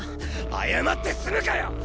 謝って済むかよ！